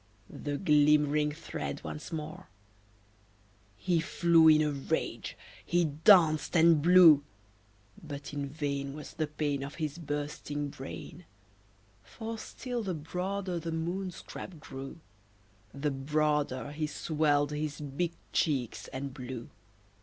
The glimmering thread once more! He flew in a rage he danced and blew; But in vain Was the pain Of his bursting brain; For still the broader the Moon scrap grew, The broader he swelled his big cheeks and blew.